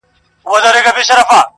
ټوله وركه يې,